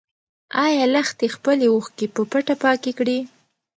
ايا لښتې خپلې اوښکې په پټه پاکې کړې؟